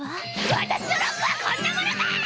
私のロックはこんなものか！